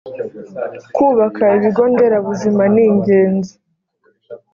kubaka ibigo nderabuzima ningenzi